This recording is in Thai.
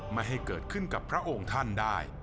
ไม่ให้เกิดขึ้นกับพระองค์ท่านได้